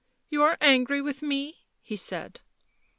" You are angry with me," he said.